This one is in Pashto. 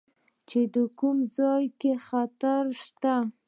چې په کوم ځاى کښې خطره سته.